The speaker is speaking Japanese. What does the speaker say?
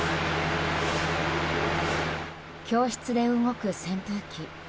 教室で動く扇風機。